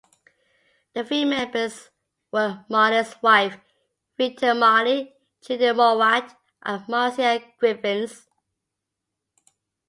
The three members were Marley's wife Rita Marley, Judy Mowatt and Marcia Griffiths.